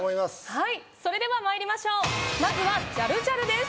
はいそれではまいりましょうまずはジャルジャルです